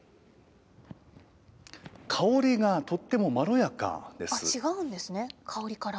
香りがとってもまろやかです。